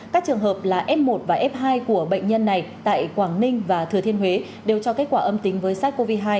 các trường hợp là f một và f hai của bệnh nhân này tại quảng ninh và thừa thiên huế đều cho kết quả âm tính với sars cov hai